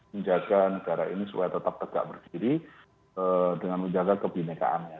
menjaga negara ini supaya tetap tegak berdiri dengan menjaga kebenekaannya